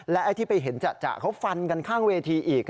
ไอ้ที่ไปเห็นจัดเขาฟันกันข้างเวทีอีก